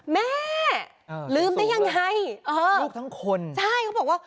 แม่สูงแล้วลูกทั้งคนสูงแล้วใช่บอกว่า